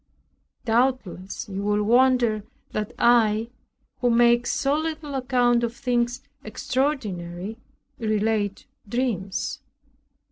Doubtless you will wonder that I, who makes so little account of things extraordinary, relate dreams.